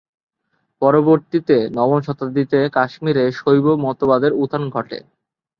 পরবর্তীতে নবম শতাব্দীতে কাশ্মীরে শৈব মতবাদের উত্থান ঘটে।